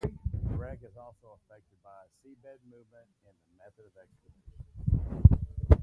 The wreck is also affected by seabed movement and the method of excavation.